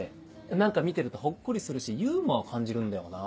何か見てるとほっこりするしユーモアを感じるんだよな。